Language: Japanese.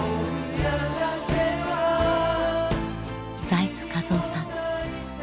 財津和夫さん